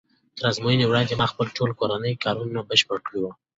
تر ازموینې وړاندې ما خپل ټول کورني کارونه بشپړ کړي وو.